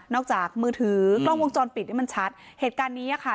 จากมือถือกล้องวงจรปิดที่มันชัดเหตุการณ์นี้อ่ะค่ะ